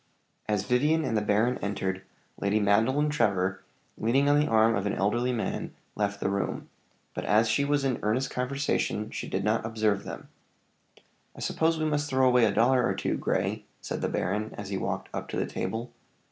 As Vivian and the baron entered, Lady Madeleine Trevor, leaning on the arm of an elderly man, left the room; but as she was in earnest conversation, she did not observe them. "I suppose we must throw away a dollar or two, Grey!" said the baron, as he walked up to the table.